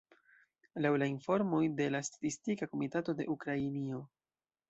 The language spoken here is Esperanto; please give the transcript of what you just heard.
Laŭ la informoj de la statistika komitato de Ukrainio.